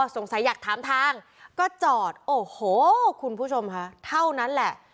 อยากถามทางก็จอดโอ้โหคุณผู้ชมค่ะเท่านั้นแหละ